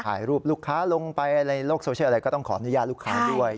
ถ่ายรูปลูกค้าลงไปในโลกโซเชียลอะไรก็ต้องขออนุญาตลูกค้าด้วย